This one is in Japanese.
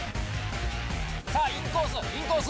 さあインコースインコース。